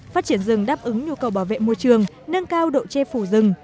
phát triển rừng đáp ứng nhu cầu bảo vệ môi trường nâng cao độ che phủ rừng